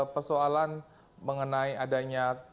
persoalan mengenai adanya